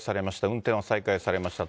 運転は再開されました。